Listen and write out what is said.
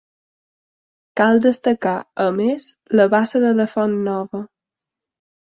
Cal destacar, a més, la Bassa de la Font Nova.